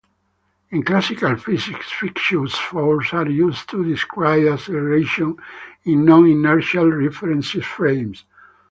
In classical physics, fictitious forces are used to describe acceleration in non-inertial reference frames.